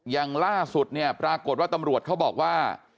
อย่างล่าสุดเนี่ยปรากฏว่าตำรวจเขาบอกว่า